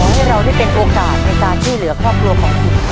ให้เราได้เป็นโอกาสในการช่วยเหลือครอบครัวของคุณ